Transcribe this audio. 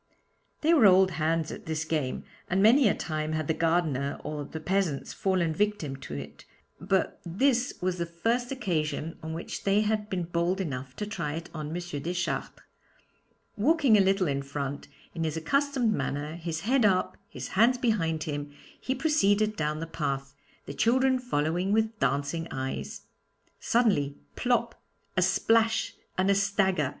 They were old hands at this game, and many a time had the gardener or the peasants fallen victims to it, but this was the first occasion on which they had been bold enough to try it on M. Deschartres. Walking a little in front, in his accustomed manner, his head up, his hands behind him, he proceeded down the path, the children following with dancing eyes. Suddenly plop, a splash, and a stagger!